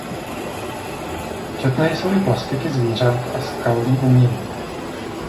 Četné jsou i plastiky zvířat a skalní umění.